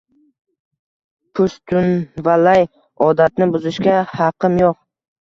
Pushtunvalay odatini buzishga haqim yo’q.